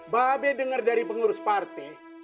babe dengar dari pengurus partai